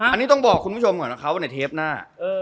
อันนี้ต้องบอกคุณผู้ชมก่อนว่าเขาในเทปหน้า